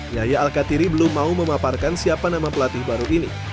yahya al katiri belum mau memaparkan siapa nama pelatih baru ini